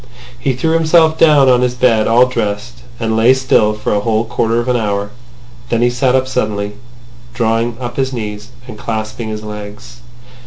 He threw himself down on his bed all dressed, and lay still for a whole quarter of an hour. Then he sat up suddenly, drawing up his knees, and clasping his legs.